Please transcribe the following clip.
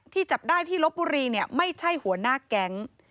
จับได้ที่ลบบุรีไม่ใช่หัวหน้าแก๊ง